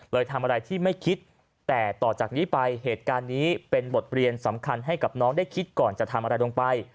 ทำอะไรที่ไม่คิดแต่ต่อจากนี้ไปเหตุการณ์นี้เป็นบทเรียนสำคัญให้กับน้องได้คิดก่อนจะทำอะไรลงไป